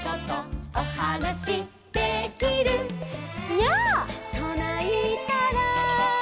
「ニャーとないたら」